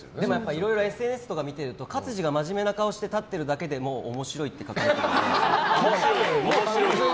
いろいろＳＮＳとか見ていると勝地が真面目な顔してたってるだけでも面白いって書かれてました。